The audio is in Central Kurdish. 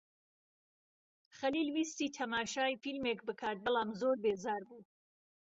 خەلیل ویستی تەماشای فیلمێک بکات بەڵام زۆر بێزار بوو.